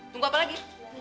tunggu apa lagi